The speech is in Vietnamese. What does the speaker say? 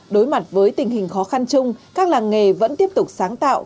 đối mặt với tình hình khó khăn chung các làng nghề vẫn tiếp tục sáng tạo